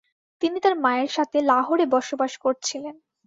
তিনি তার মায়ের সাথে লাহোরে বসবাস করছিলেন।